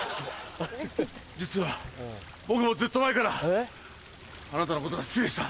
実は僕もずっと前からあなたのことが好きでした。